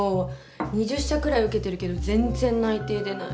２０社くらいうけてるけどぜんぜん内定出ない。